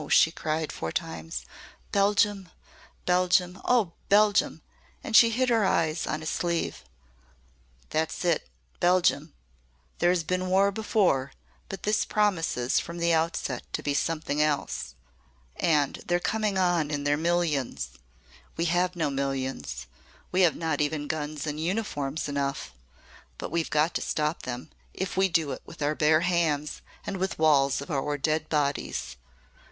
she cried four times, "Belgium! Belgium! Oh! Belgium!" And she hid her eyes on his sleeve. "That's it Belgium! There has been war before, but this promises from the outset to be something else. And they're coming on in their millions. We have no millions we have not even guns and uniforms enough, but we've got to stop them, if we do it with our bare hands and with walls of our dead bodies.